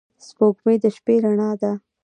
سپوږمۍ د شپې رڼا ده